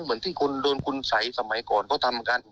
เหมือนที่คุณโดนคุณสัยสมัยก่อนเขาทำกัน